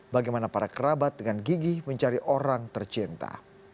bagaimana para kerabat dengan gigi mencari orang tercinta